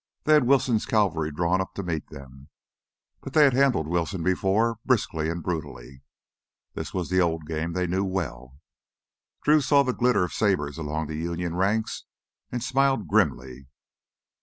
They had Wilson's Cavalry drawn up to meet them. But they had handled Wilson before, briskly and brutally. This was the old game they knew well. Drew saw the glitter of sabers along the Union ranks and smiled grimly.